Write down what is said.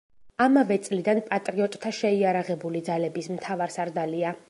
ამავე წლიდან პატრიოტთა შეიარაღებული ძალების მთავარსარდალია.